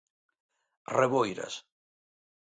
Reboiras.